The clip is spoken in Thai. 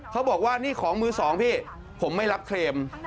เขาบอกว่านี่ของมือสองพี่ผมไม่รับเครม